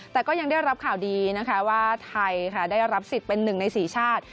แต่ก็ยังได้รับข่าวดีว่าไทยได้รับสิทธิ์เป็นหนึ่งในสี่ชาติ